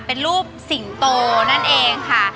เป็นรูปสิงโตนั่นเองค่ะ